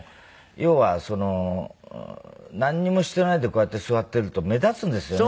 要はなんにもしてないでこうやって座ってると目立つんですよね